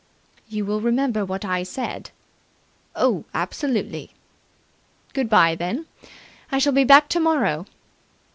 "You will remember what I said?" "Oh, absolutely!" "Good bye, then. I shall be back tomorrow."